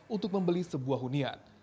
untuk membeli sebuah hunian